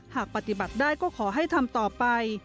หากปฏิบัติได้ก็ขอให้ทำต่อไป